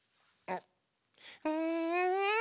うん！